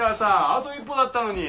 あと一歩だったのに。